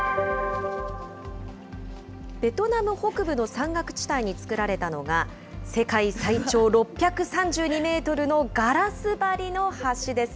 ベトナム北部の山岳地帯に作られたのが、世界最長６３２メートルのガラス張りの橋です。